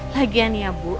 lagian ya bu